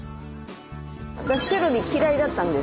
私セロリ嫌いだったんです。